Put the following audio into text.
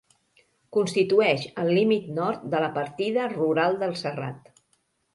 Constitueix el límit nord de la partida rural del Serrat.